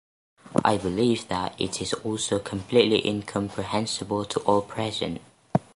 I believe that it is also completely incomprehensible to all present.